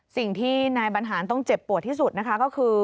สิ่งที่นายบัญหาญต้องเจ็บป่วนที่สุดก็คือ